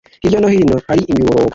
Hirya no hino ari imiborogo